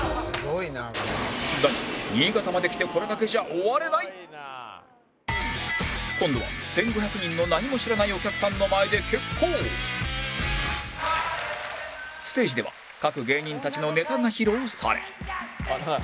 だが新潟まで来て今度は１５００人の何も知らないお客さんの前で決行ステージでは各芸人たちのネタが披露され